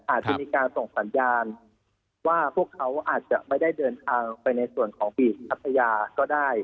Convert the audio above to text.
อาจจะมีการส่งสัญญาณว่าพวกเขาอาจจะไม่ได้เดินทางไปในส่วนของบีบพัทยาก็ได้